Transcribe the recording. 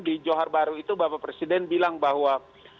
di johar baru itu bapak presiden bilang bahwa